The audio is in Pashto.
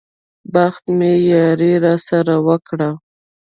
بخت مې ياري راسره وکړه.